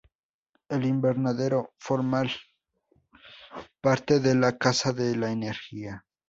El invernadero forma parte de la Casa de la energía.